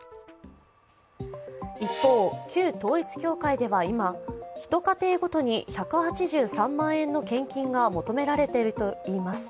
一方、旧統一教会では今一家庭ごとに１８３万円の献金が求められているといいます。